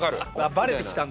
バレてきたんだ。